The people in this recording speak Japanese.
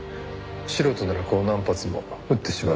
素人ならこう何発も撃ってしまうような。